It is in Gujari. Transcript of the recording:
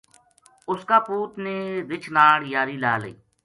اس کا پوت نے رچھ ناڑ یاری لا لئی